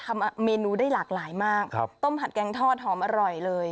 ทำเมนูได้หลากหลายมากครับต้มผัดแกงทอดหอมอร่อยเลย